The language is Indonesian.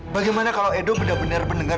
bagaimana kalau edo benar benar mendengar